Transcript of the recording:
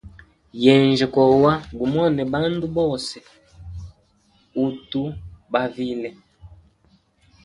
Yenjya kowa gumone bandu bonse uthu bavile.